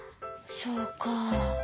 そうか。